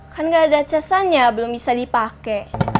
kan gak ada casannya belum bisa dipake